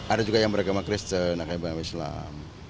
ada juga yang beragama kristen agama islam